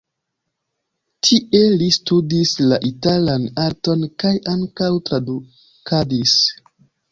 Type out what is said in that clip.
Tie li studis la italan arton kaj ankaŭ tradukadis.